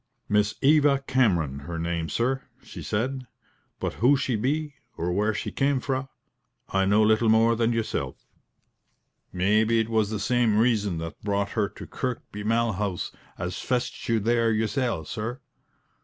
"Miss Eva Cameron be her name, sir," she said: "but who she be, or where she came fra, I know little more than yoursel'. Maybe it was the same reason that brought her to Kirkby Malhouse as fetched you there yoursel', sir."